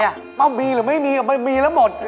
ไม่ว่ามีหรือไม่มีมีแล้วหมด